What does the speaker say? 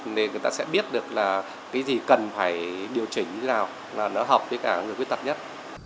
nên người ta sẽ biết được là cái gì cần phải điều chỉnh như thế nào là nó hợp với cả người khuyết tật nhất